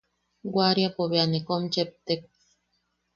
Wariapo bea ne kom cheptek.